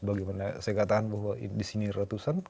bagaimana saya katakan bahwa disini ratusan